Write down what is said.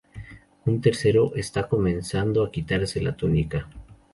Un tercero está comenzando a quitarse la túnica.